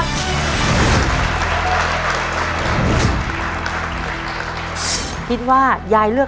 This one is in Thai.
คุณยายแจ้วเลือกตอบจังหวัดนครราชสีมานะครับ